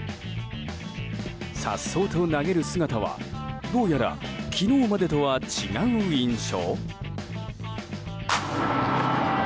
さっそうと投げる姿はどうやら昨日までとは違う印象。